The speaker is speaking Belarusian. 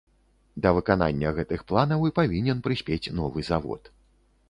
Да выканання гэтых планаў і павінен прыспець новы завод.